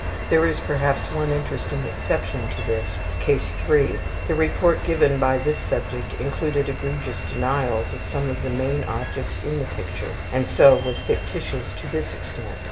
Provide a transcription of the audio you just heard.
(There is perhaps one interesting exception to this; Case 3. The report given by this subject included egregious denials of some of the main objects in the picture, and so was fictitious to this extent.